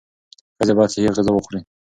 ښځې باید صحي غذا وخوري.